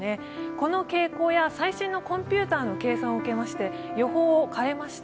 この傾向や最新のコンピュータの計算を受けまして予報を変えました。